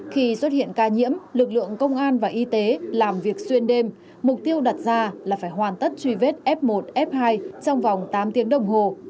khi xuất hiện ca nhiễm lực lượng công an và y tế làm việc xuyên đêm mục tiêu đặt ra là phải hoàn tất truy vết f một f hai trong vòng tám tiếng đồng hồ